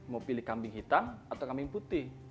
mau pilih kambing hitam atau kambing putih